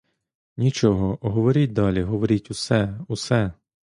Нічого, говоріть далі, говоріть усе, усе!